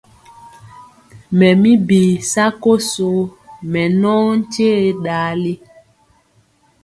Mɛ bi sakoso, mɛ nɔ nkye ɗali.